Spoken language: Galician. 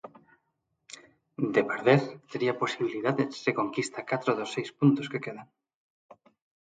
De perder, tería posibilidades se conquista catro dos seis puntos que quedan.